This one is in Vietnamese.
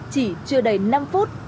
chỉ chưa đầy năm phút